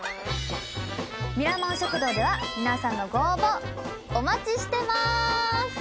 ミラモン食堂では皆さんのご応募お待ちしてます！